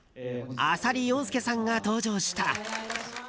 浅利陽介さんが登場した。